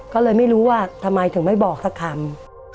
ก็เลยไม่รู้ว่าทำไมถึงไม่บอกสักคำ